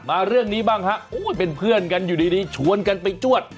เรื่องนี้บ้างฮะเป็นเพื่อนกันอยู่ดีชวนกันไปจวด